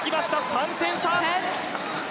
３点差。